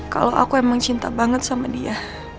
kalau aku emang cinta banget sama dia